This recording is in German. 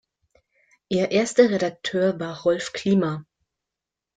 Ihr erster Redakteur war Rolf Klima.